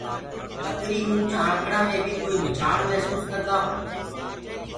ٻڪري اُنٺ آنڪڙآ مي بي ڪوئي مٺآڻ مهسوس ڪردآ هو